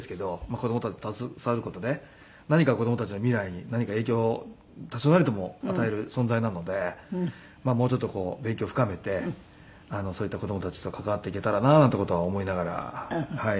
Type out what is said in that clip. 子供たちと携わる事で何か子供たちの未来に何か影響を多少なりとも与える存在なのでもうちょっと勉強を深めてそういった子供たちと関わっていけたらななんて事は思いながらはい。